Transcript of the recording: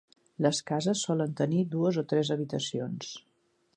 Les cases solen tenir dues o tres habitacions.